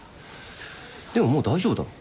でももう大丈夫だろ。